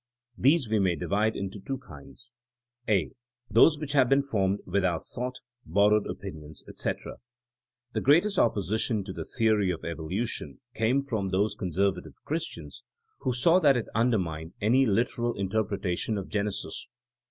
These we may divide into two kinds : (a) Those which have been formed without thought; borrowed opinions, etc. The greatest opposition to the theory of evolution came from those conservative Christians who saw that it 112 THINEINa AS A SCIENCE undermined any literal interpretation of Gene sis.